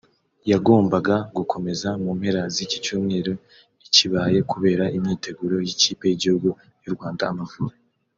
yagombaga gukomeza mu mpera z’icyi cyumweru ntikibaye kubera imyiteguro y’ikipe y’igihugu y’u Rwanda Amavubi